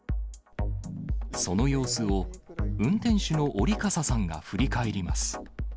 その様子を、運転手の折笠さんが振り返ります。